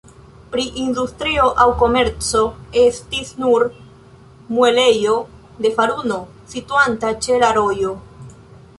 Pri industrio aŭ komerco estis nur muelejo de faruno, situanta ĉe la rojo.